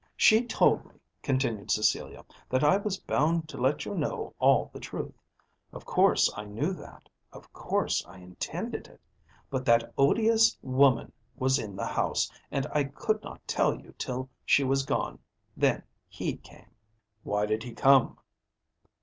"She told me," continued Cecilia, "that I was bound to let you know all the truth. Of course I knew that; of course I intended it. But that odious woman was in the house, and I could not tell you till she was gone. Then he came." "Why did he come?"